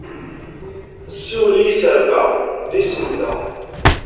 Siwel i yiserba, d isenda!